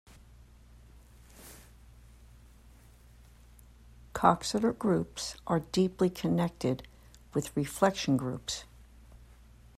Coxeter groups are deeply connected with reflection groups.